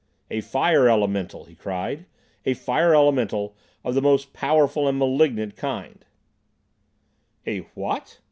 "A fire elemental," he cried, "a fire elemental of the most powerful and malignant kind—" "A what?"